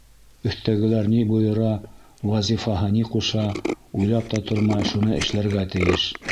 Өҫтәгеләр ни бойора, вазифаһы ни ҡуша, уйлап та тормай шуны эшләргә тейеш!